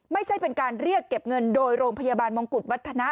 ไม่ใช่เป็นการเรียกเก็บเงินโดยโรงพยาบาลมงกุฎวัฒนะ